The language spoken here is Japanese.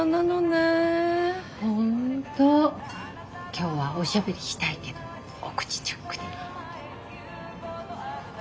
今日はおしゃべりしたいけどお口チャックで。